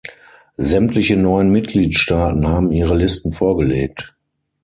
Sämtliche neuen Mitgliedstaaten haben ihre Listen vorgelegt.